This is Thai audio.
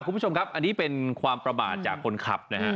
คุณผู้ชมครับอันนี้เป็นความประมาทจากคนขับนะฮะ